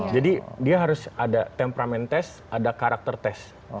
jadi dia harus ada temperament test ada karakter test